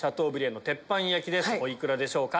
お幾らでしょうか？